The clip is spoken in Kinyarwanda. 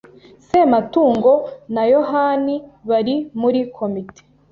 Sematungo, na yohani bari muri komite.